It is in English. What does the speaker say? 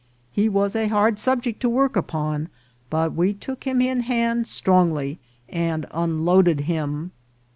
He was a hard sub ject to work upon, but we took him in hand strongly, and unloaded him.